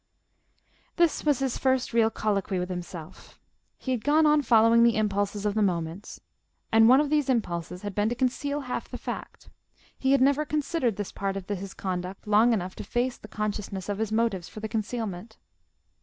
This was his first real colloquy with himself: he had gone on following the impulses of the moment, and one of those impulses had been to conceal half the fact; he had never considered this part of his conduct long enough to face the consciousness of his motives for the concealment.